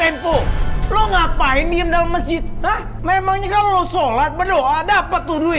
ngapain kamu kesini